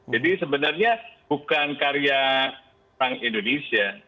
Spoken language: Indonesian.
jadi sebenarnya bukan karya bang indonesia